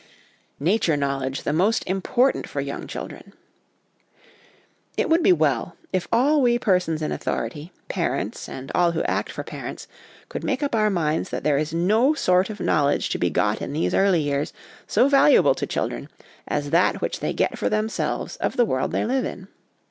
Nature Knowledge the most important for Young Children. It would be well if all we persons in authority, parents and all who act for parents, could make up our minds that there is no sort of knowledge to be got in these early years so valuable to children as that which they get for themselves of the world they live in.